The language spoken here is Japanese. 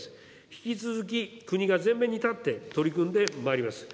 引き続き、国が前面に立って取り組んでまいります。